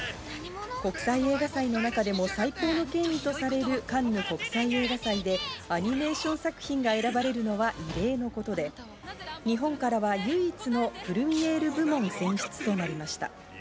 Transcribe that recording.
国際映画祭の中でも最高の権威とされるカンヌ国際映画祭でアニメーション作品が選ばれるのは異例のことで、日本からは唯一のプルミエール部門選出となりました。